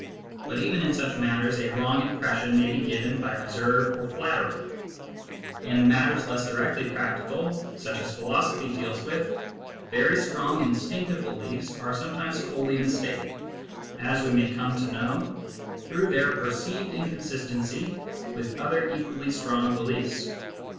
But even in such matters a wrong impression may be given by reserve or flattery ; and in matters less directly practical, such as philosophy deals with, very strong instinctive beliefs are sometimes wholly mistaken, as we may come to know through their per ceived inconsistency with other equally strong beliefs.